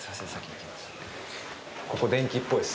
ここ電気っぽいです。